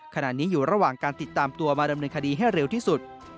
ขณะนี้อยู่ระหว่างการติดตามตัวมาดำเนินคดีให้เร็วที่สุด